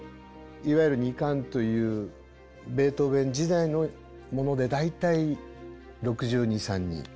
いわゆる２管というベートーヴェン時代のもので大体６２６３人。